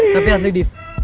tapi asli dip